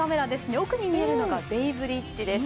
奥に見えるのがベイブリッジです。